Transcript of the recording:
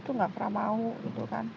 itu nggak pernah mau gitu kan